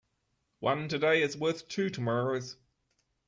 One today is worth two tomorrows.